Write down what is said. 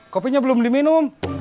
kopinya belum diminum